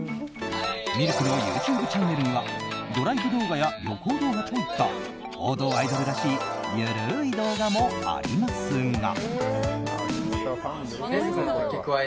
ＬＫのＹｏｕＴｕｂｅチャンネルにはドライブ動画や旅行動画といった王道アイドルらしい緩い動画もありますが。